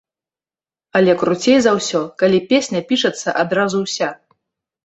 Але круцей за ўсё, калі песня пішацца адразу ўся.